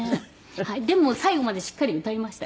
でも最後までしっかり歌いましたよ。